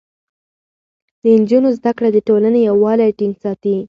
د نجونو زده کړه د ټولنې يووالی ټينګ ساتي.